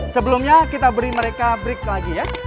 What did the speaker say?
sebelumnya kita beri mereka break lagi ya